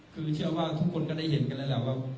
คือเชื่อว่าทุกคนก็ได้เห็นกันแล้วแหละว่า